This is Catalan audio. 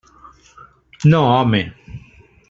No, home!